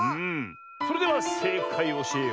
それではせいかいをおしえよう。